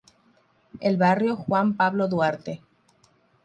El Barrio Juan Pablo Duarte.